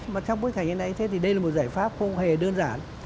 mà trong bối cảnh như thế này thì đây là một giải pháp không hề đơn giản